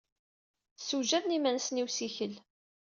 Ssewjaden iman-nsen i usikel.